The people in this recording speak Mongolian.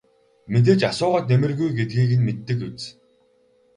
Мэдээж асуугаад нэмэргүй гэдгийг нь мэддэг биз.